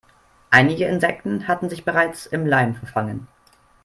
Einige Insekten hatten sich bereits im Leim verfangen.